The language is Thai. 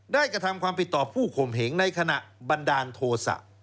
กระทำความผิดต่อผู้ข่มเหงในขณะบันดาลโทษะ